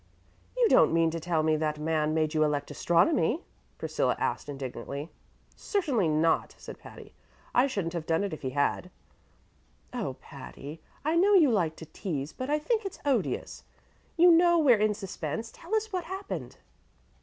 "You don't mean to tell me that man made you elect astronomy?" Priscilla asked indignantly. "Certainly not," said Patty. "I shouldn't have done it if he had." "Oh, Patty, I know you like to tease, but I think it's odious. You know we're in suspense. Tell us what happened."